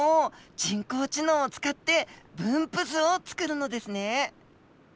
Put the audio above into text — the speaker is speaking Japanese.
人工知能を使って分布図を作るのですね。